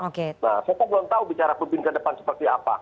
nah saya kok belum tahu bicara pemimpin kedepan seperti apa